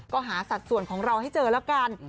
ก็หาสัดส่วนของเราให้เจอแล้วกัน